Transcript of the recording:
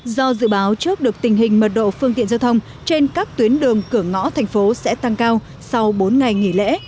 do dự báo trước được tình hình mật độ phương tiện giao thông trên các tuyến đường cửa ngõ thành phố sẽ tăng cao sau bốn ngày nghỉ lễ